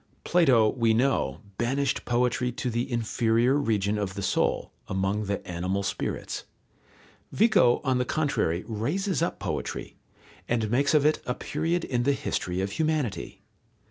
Plato, we know, banished poetry to the inferior region of the soul, among the animal spirits. Vico on the contrary raises up poetry, and makes of it a period in the history of humanity.